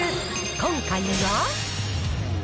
今回は。